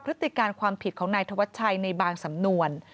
พฤติการความผิดของนายธวัชชัยในบางสำนวน